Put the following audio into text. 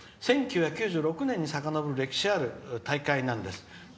「１９９６年にさかのぼる歴史ある大会なんです。